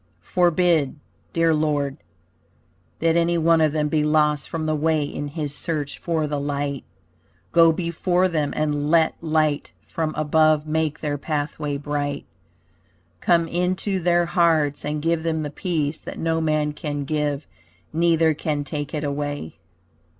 Forbid, dear Lord, that any one of them be lost from the way in his search for the light. Go before them and let light from above make their pathway bright. Come into their hearts and give them the peace that no man can give, neither can take it away.